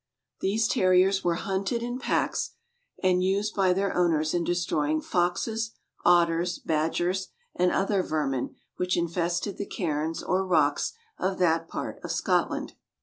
These Terriers were hunted in packs, and used by their owners in destroying foxes, ot ters, badgers, and other vermin which infested the cairns or rocks of that part of Scotland.